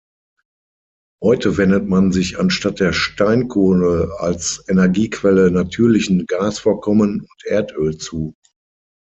Heute wendet man sich anstatt der Steinkohle als Energiequelle natürlichen Gasvorkommen und Erdöl zu.